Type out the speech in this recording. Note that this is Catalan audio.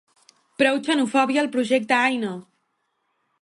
Prou xenofòbia al projecte Aina!